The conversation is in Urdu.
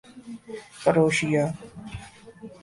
کروشیا